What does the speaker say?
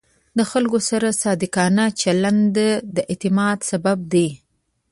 د خلکو سره صادقانه چلند د اعتماد سبب دی.